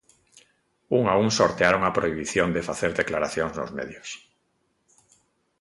Un a un sortearon a prohibición de facer declaracións nos medios.